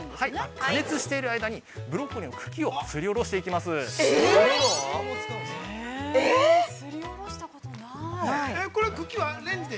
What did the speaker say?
◆加熱している間にブロッコリーの茎を、すりおろしていきます。